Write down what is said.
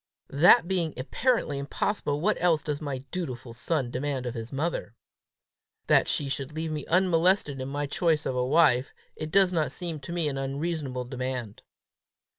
"That being apparently impossible, what else does my dutiful son demand of his mother?" "That she should leave me unmolested in my choice of a wife. It does not seem to me an unreasonable demand!"